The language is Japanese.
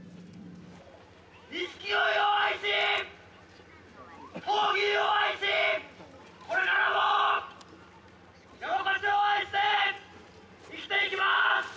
錦鯉を愛し闘牛を愛しこれからも山古志を愛して生きていきます！